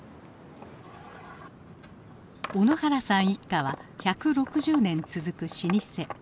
小野原さん一家は１６０年続く老舗。